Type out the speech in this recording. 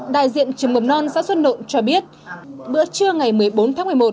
đại diện trường mầm non xã xuân nộn cho biết bữa trưa ngày một mươi bốn tháng một mươi một